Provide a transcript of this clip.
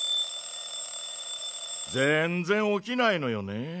ぜんぜんおきないのよね。